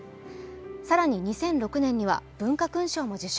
更に２００６年には文化勲章も受章。